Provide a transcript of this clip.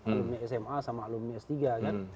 alumni sma sama alumni s tiga kan